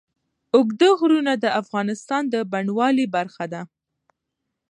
اوږده غرونه د افغانستان د بڼوالۍ برخه ده.